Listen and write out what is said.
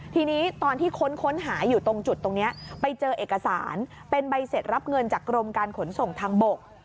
ทีนี้ตอนที่ค้นหาอยู่ตรงจุดตรงนี้ไปเจอเอกสารเป็นใบเสร็จรับเงินจากกรมการขนส่งทางบก